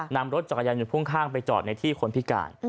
นำรถจักรยานยนต์พ่วงข้างไปจอดในที่คนพิการ